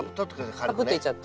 カプッといっちゃって。